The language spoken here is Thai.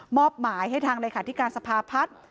อบหมายให้ทางเลขาธิการสภาพัฒน์